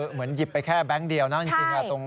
หยิบไปแค่แบงค์เดียวนะจริง